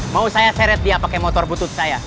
mau saya seret dia pakai motor butut saya